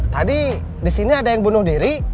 tadi disini ada yang bunuh diri